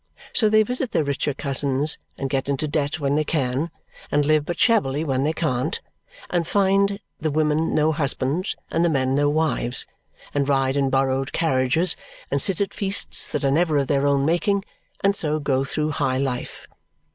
So they visit their richer cousins, and get into debt when they can, and live but shabbily when they can't, and find the women no husbands, and the men no wives and ride in borrowed carriages, and sit at feasts that are never of their own making, and so go through high life.